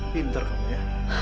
pinter kamu ya